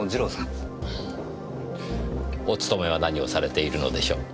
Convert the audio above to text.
お勤めは何をされているのでしょう？